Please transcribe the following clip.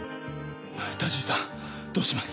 田尻さんどうします？